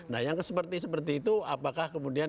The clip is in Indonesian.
nah yang seperti seperti itu apakah kemudian